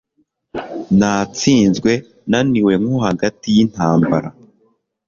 Natsinzwe naniwe nko hagati y'intambara